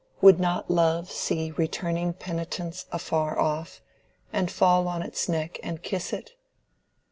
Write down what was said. Would not love see returning penitence afar off, and fall on its neck and kiss it?